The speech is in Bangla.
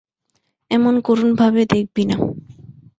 এমন করুণ ভাবে দেখবি না!